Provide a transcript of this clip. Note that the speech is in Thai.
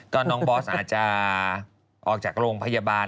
ก็น้องบอสอาจจะออกจากโรงพยาบาล